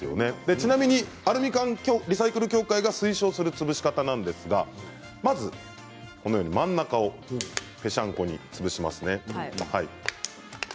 ちなみにアルミ缶リサイクル協会が推奨する潰し方なんですがまず真ん中をぺしゃんこに潰しますね。